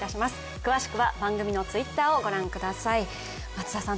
詳しくは番組のＴｗｉｔｔｅｒを御覧ください。